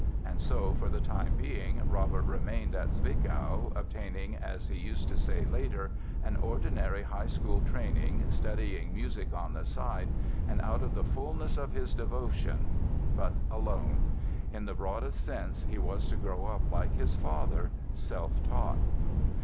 And so, for the time being, Robert remained in Zwickau, obtaining, as he used to say later, "an ordinary high school training, studying music on the side and out of the fulness of his devotion"—but alone! In the broadest sense he was to grow up like his father—self taught.